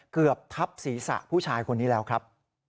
เกือบทับศีรษะผู้ชายคนนี้แล้วครับ